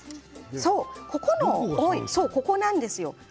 ここなんですよ。